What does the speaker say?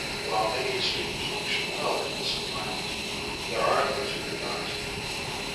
While many students function well in this environment, there are those who do not.